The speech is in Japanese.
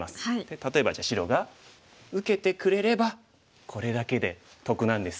例えばじゃあ白が受けてくれればこれだけで得なんです。